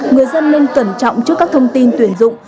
người dân nên cẩn trọng trước các thông tin tuyển dụng